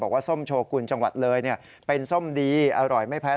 ส้มโชกุลจังหวัดเลยเป็นส้มดีอร่อยไม่แพ้